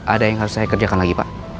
ada yang harus saya kerjakan lagi pak